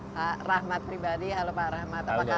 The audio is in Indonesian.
pak rahmat pribadi halo pak rahmat apa kabar